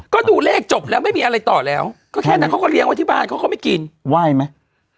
ก็ดูเลขจบแล้วไม่มีอะไรต่อค่ะแค่งั้นเขาก็เราถึงมาเวอร์เขาไม่กินไว่ไหม